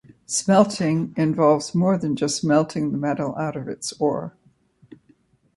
Smelting involves more than just melting the metal out of its ore.